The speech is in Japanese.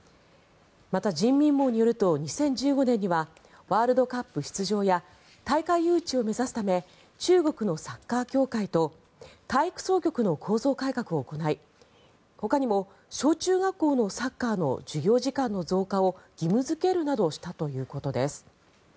また、人民網によると２０１５年にはワールドカップ出場や大会誘致を目指すため中国のサッカー協会と体育総局の構造改革を行いほかにも、小中学校のサッカーの授業時間の増加を義務付けるなどしたということです。